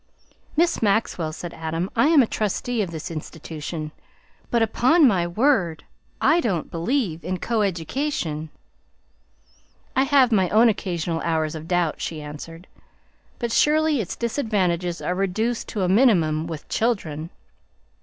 "Miss Maxwell," said Adam, "I am a trustee of this institution, but upon my word I don't believe in coeducation!" "I have my own occasional hours of doubt," she answered, "but surely its disadvantages are reduced to a minimum with children!